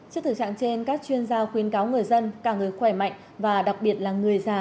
trước thử trạng trên các chuyên gia khuyến cáo người dân cả người khỏe mạnh và đặc biệt là người già